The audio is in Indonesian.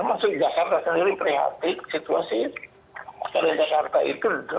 maksudnya jakarta sendiri ya